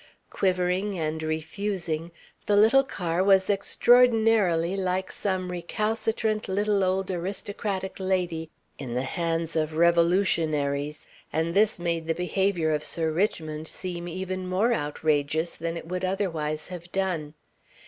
Quivering and refusing, the little car was extraordinarily like some recalcitrant little old aristocratic lady in the hands of revolutionaries, and this made the behaviour of Sir Richmond seem even more outrageous than it would otherwise have done.